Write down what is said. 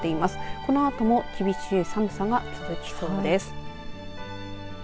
このあとも厳しい寒さが続きそうです。